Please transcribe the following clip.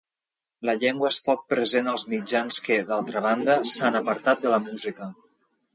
La llengua és poc present als mitjans, que, d'altra banda, s'han apartat de la música.